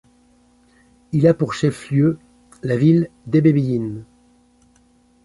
Il a pour chef-lieu la ville d'Ebebiyín.